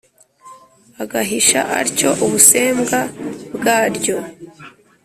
agahisha atyo ubusembwa bwaryo.